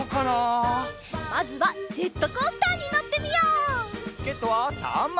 まずはジェットコースターにのってみよう！